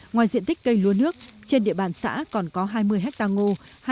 ngoài diện tích cây lúa nước trên địa bàn xã còn có hai mươi hectare ngô